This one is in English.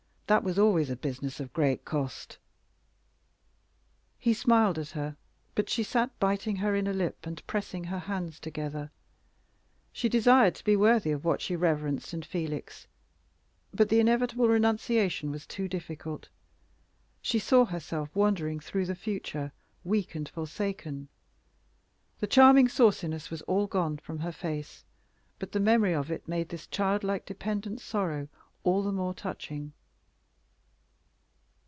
That was always a business of great cost." He smiled at her, but she sat biting her inner lip and pressing her hands together. She desired to be worthy of what she reverenced in Felix, but the inevitable renunciation was too difficult. She saw herself wandering through the future weak and forsaken. The charming sauciness was all gone from her face, but the memory of it made this childlike dependent sorrow all the more touching.